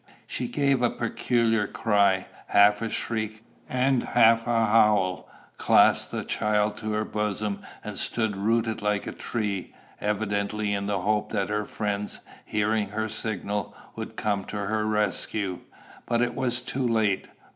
She gave a peculiar cry, half a shriek, and half a howl, clasped the child to her bosom, and stood rooted like a tree, evidently in the hope that her friends, hearing her signal, would come to her rescue. But it was too late.